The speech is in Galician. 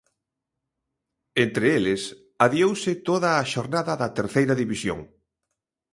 Entre eles, adiouse toda a xornada da Terceira División.